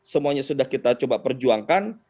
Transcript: semuanya sudah kita coba perjuangkan